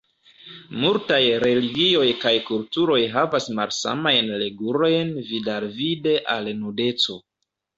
Multaj religioj kaj kulturoj havas malsamajn regulojn vidalvide al nudeco.